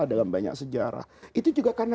dalam banyak sejarah itu juga karena